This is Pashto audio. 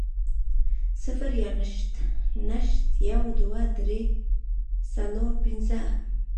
صفر يا نشت, يو, دوه, درې, څلور, پنځه